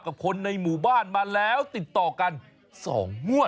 กับคนในหมู่บ้านมาแล้วติดต่อกัน๒งวด